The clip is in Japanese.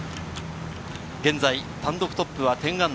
現在、単独トップは−１０。